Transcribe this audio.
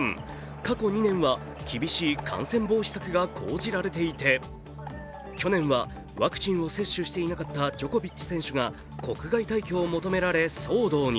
過去２年は厳しい感染防止策が講じられていて去年はワクチンを接種していなかったジョコビッチ選手が国外退去を求められ、騒動に。